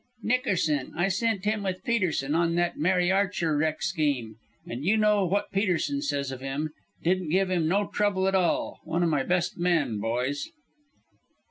"Nickerson. I sent him with Peterson on that Mary Archer wreck scheme. An' you know what Peterson says of him didn't give him no trouble at all. One o' my best men, boys."